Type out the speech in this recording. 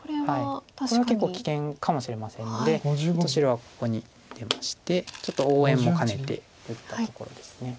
これは結構危険かもしれませんので白はここに出ましてちょっと応援も兼ねて打ったところです。